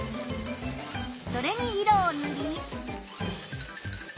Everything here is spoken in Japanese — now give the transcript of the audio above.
それに色をぬり。